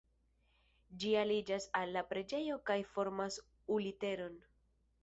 Ĝi aliĝas al la preĝejo kaj formas U-literon.